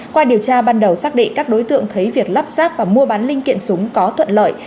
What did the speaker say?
qua điều tra ban đầu xác định các đối tượng thấy việc lắp ráp và mua bán linh kiện súng có thuận lợi